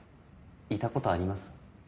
いたことあります？